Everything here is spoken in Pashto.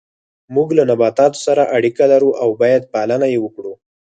موږ له نباتاتو سره اړیکه لرو او باید پالنه یې وکړو